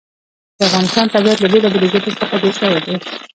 د افغانستان طبیعت له بېلابېلو ژبو څخه جوړ شوی دی.